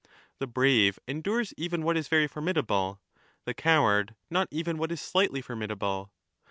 The brave endures even what is very formidable, the coward not even what is slightly formidable.